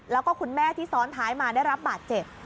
แล้วก็คุณแม่ที่ซ้อนท้ายมาได้รับบาดเจ็บ